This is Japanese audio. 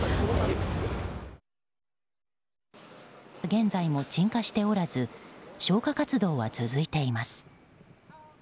現在も鎮火しておらず消火活動は続いています。